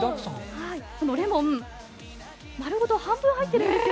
このレモン丸ごと半分入ってるんです。